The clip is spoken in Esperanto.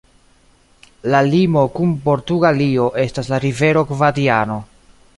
La limo kun Portugalio estas la rivero Gvadiano.